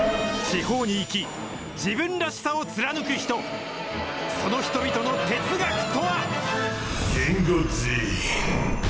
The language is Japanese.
地方に生き、自分らしさを貫く人、その人々の哲学とは。